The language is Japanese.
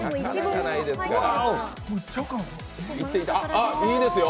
あ、いいですよ。